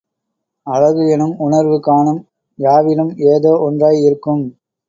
அழகு எனும் உணர்வு காணும் யாவிலும் ஏதோ ஒன்றாய் இருக்கும்